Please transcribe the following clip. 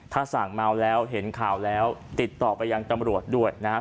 ถ้าสั่งเมาแล้วเห็นข่าวแล้วติดต่อไปยังตำรวจด้วยนะครับ